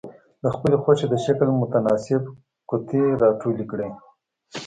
د خپلې خوښې د شکل متناسب قطي را ټولې کړئ.